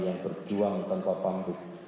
yang berjuang tanpa panggung